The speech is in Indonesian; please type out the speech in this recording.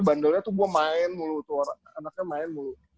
bandelnya tuh gue main mulu tuh anaknya main mulu